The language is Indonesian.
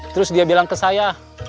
terus dia bilang ke saya